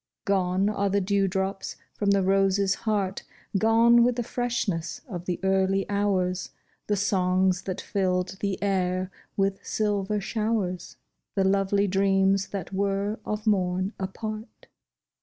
Gone are the dew drops from the rose's heart — Gone with the freshness of the early hours, The songs that filled the air with silver showers, The lovely dreams that were of morn a part.